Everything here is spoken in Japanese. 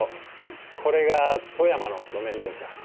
これが富山の路面電車。